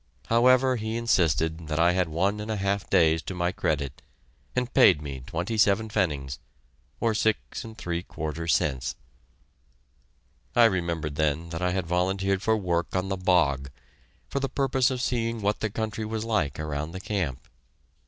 However, he insisted that I had one and a half days to my credit, and paid me twenty seven pfennigs, or six and three quarter cents! I remembered then that I had volunteered for work on the bog, for the purpose of seeing what the country was like around the camp.